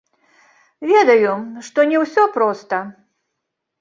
Ведаю, што не ўсё проста.